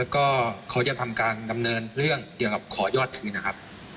ก็เลยเข้าไปดูรายการด้วยล่ะ